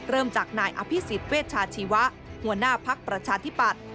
เริ่มจากนายอภิษฎเวชาชีวะหัวหน้าภักดิ์ประชาธิปัตย